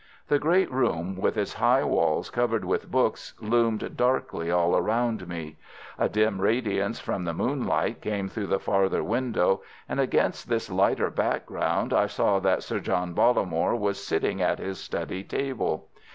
The great room with its high walls covered with books loomed darkly all round me. A dim radiance from the moonlight came through the farther window, and against this lighter background I saw that Sir John Bollamore was sitting at his study table.